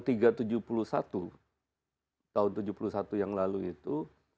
tahun tujuh puluh satu yang lalu itu